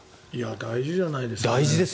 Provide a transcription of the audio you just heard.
大事じゃないですかね。